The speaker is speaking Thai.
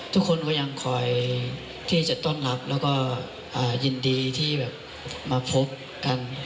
ทุกคนก็ยังคอยที่จะต้อนรับแล้วก็ยินดีที่แบบมาพบกัน